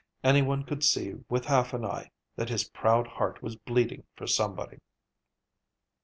Any one could see, with half an eye, that his proud heart was bleeding for somebody.